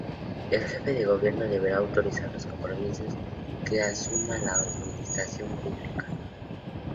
El Jefe de Gobierno deberá autorizar los compromisos que asuma la Administración Pública.